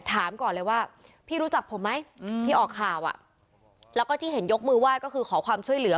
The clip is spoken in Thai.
ถามก่อนเลยว่าพี่รู้จักผมไหมที่ออกข่าวอ่ะแล้วก็ที่เห็นยกมือไหว้ก็คือขอความช่วยเหลือ